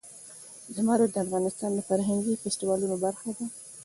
زمرد د افغانستان د فرهنګي فستیوالونو برخه ده.